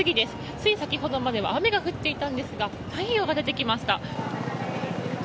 つい先ほどまでは雨が降っていたんですが太陽が出てきました。